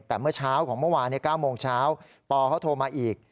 แต่เมื่อเช้าของเมื่อวาน๙โมงเช้าปเขาโทรมาอีก